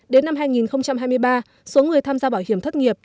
đến năm hai nghìn hai mươi ba số người tham gia bảo hiểm thất nghiệp